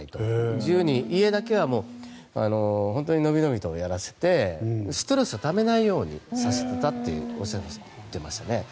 自由に家だけはのびのびとやらせてストレスをためないようにさせていたっておっしゃってました。